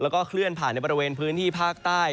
แล้วก็เคลื่อนผ่านในบริเวณพื้นที่ภาคใต้